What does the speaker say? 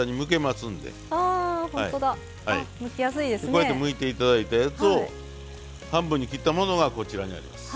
こうやってむいて頂いたやつを半分に切ったものがこちらにあります。